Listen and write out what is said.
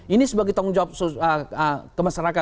ini sebagai tanggung jawab kemasyarakat